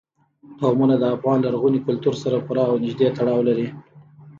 قومونه د افغان لرغوني کلتور سره پوره او نږدې تړاو لري.